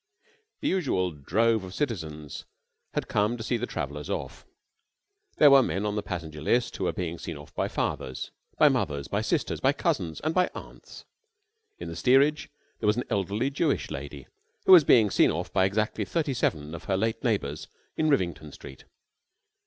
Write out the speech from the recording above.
The usual drove of citizens had come to see the travellers off. There were men on the passenger list who were being seen off by fathers, by mothers, by sisters, by cousins, and by aunts. In the steerage there was an elderly Jewish lady who was being seen off by exactly thirty seven of her late neighbours in Rivington Street.